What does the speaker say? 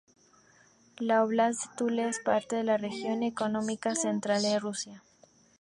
La óblast de Tula es parte de la región económica central de Rusia.